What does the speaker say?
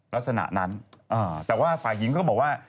ลักษณะนั้นแต่ว่าฝ่ายหญิงก็บอกว่า